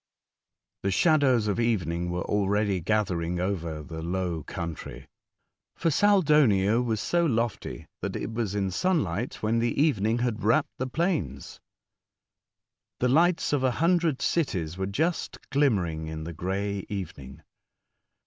The shadows of evening were already gathering over the low country, for Saldonio was so lofty that it was in sun light when the evening had wrapt the plains. The lights of a hundred cities were just glim mering in the grey evening.